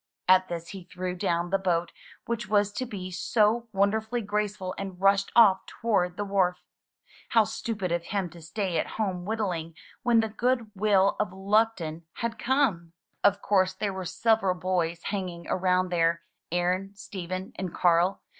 At this he threw down the boat which was to be so wonder fully graceful and rushed off toward the wharf. How stupid of him to stay at home whittUng when the '^Goodwill of Luck ton" had come! lOO THROUGH FAIRY HALLS Of course there were several boys hanging around there — Aaron, Stephen, and Carl.